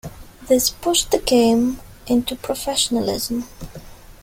This pushed the game into professionalism.